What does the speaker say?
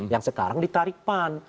yang sekarang ditarik pan